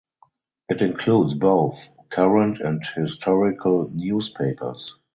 It includes both current and historical newspapers.